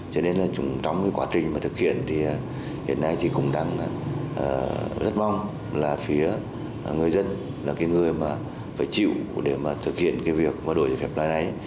cho nên là chúng trong quá trình mà thực hiện thì hiện nay thì cũng đang rất mong là phía người dân là cái người mà phải chịu để mà thực hiện cái việc đổi giấy phép lái này